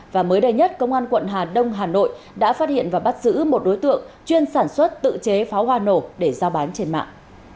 và mới đây nhất công an quận hà đông hà nội đã phát hiện và bắt giữ một đối tượng chuyên sản xuất tự chế pháo hoa nổ để giao bán trên mạng